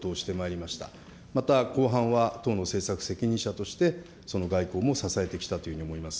また、後半は党の政策責任者として、その外交も支えてきたというふうに思います。